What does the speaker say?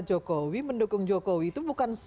jokowi mendukung jokowi itu bukan